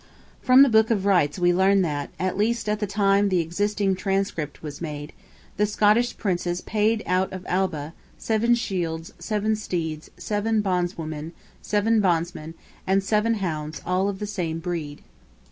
From the Book of Rights we learn that (at least at the time the existing transcript was made) the Scottish Princes paid out of Alba, seven shields, seven steeds, seven bondswomen, seven bondsmen, and seven hounds all of the same breed.